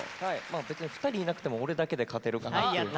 まあ別に２人いなくても俺だけで勝てるかなっていう。